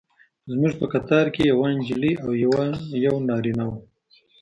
زموږ په قطار کې یوه نجلۍ او یو نارینه و.